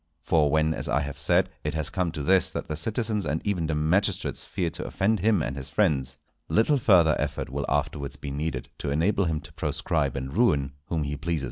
For when, as I have said, it has come to this that the citizens and even the magistrates fear to offend him and his friends, little further effort will afterwards be needed to enable him to proscribe and ruin whom he pleases.